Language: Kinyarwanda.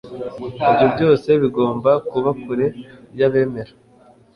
ibyo byose bigomba kuba kure y'abemera